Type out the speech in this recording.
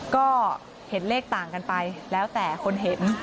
ก็เห็นเลขต่างกันไปแล้วแต่คนเห็น